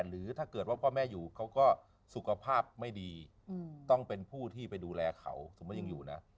หรือถ้าเกิดว่าพ่อแม่อยู่เขาก็สุขภาพไม่ดีต้องเป็นผู้ที่ไปดูแลเขาสมมุติยังอยู่นะ